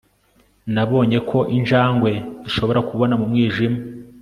Nabonye ko injangwe zishobora kubona mu mwijima